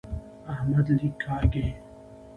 احمد لیک کاږي.